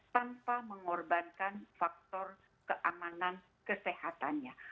tanpa mengorbankan faktor keamanan kesehatannya